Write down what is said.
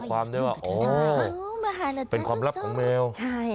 ความลับของแมวความลับของแมว